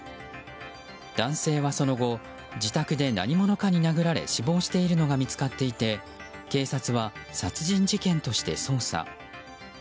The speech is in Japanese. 男性はその後、自宅で何者かに殴られ死亡しているのが見つかっていて警察は殺人事件として捜査。